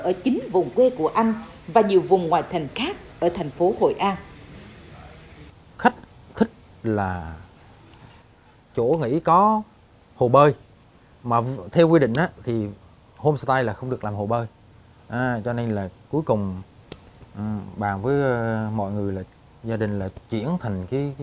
ở chính vùng quê của anh và nhiều vùng ngoài thành khác ở thành phố hội an